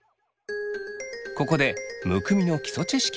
ここでむくみの基礎知識。